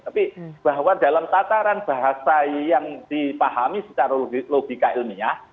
tapi bahwa dalam tataran bahasa yang dipahami secara logika ilmiah